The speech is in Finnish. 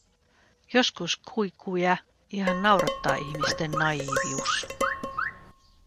Joskus Quiqueä ihan naurattaa ihmisten naiivius.